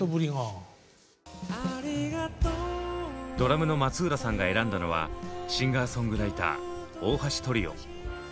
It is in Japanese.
ドラムの松浦さんが選んだのはシンガーソングライター大橋トリオ。